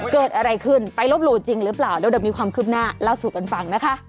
เกิดอะไรขึ้นไปลบหลู่จริงหรือเปล่าเดี๋ยวมีความคืบหน้าเล่าสู่กันฟังนะคะ